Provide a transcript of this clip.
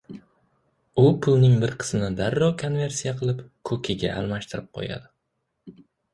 U pulini bir qismini darrov konversiya qilib “koʻki”ga almashtirib qoʻyadi